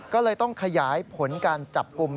ก็เลยต้องขยายผลการจับกลุ่ม